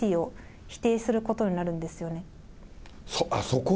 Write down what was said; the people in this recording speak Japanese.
そうか。